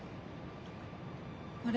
あれ？